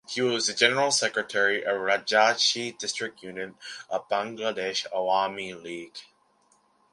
He was the general secretary of Rajshahi District unit of Bangladesh Awami League.